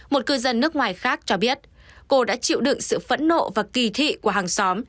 một cư dân nước ngoài khác cho biết cô đã chịu đựng sự phẫn nộ và kỳ thị của hàng xóm